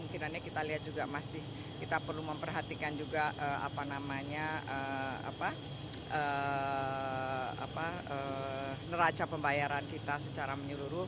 kemungkinannya kita lihat juga masih kita perlu memperhatikan juga apa namanya neraca pembayaran kita secara menyeluruh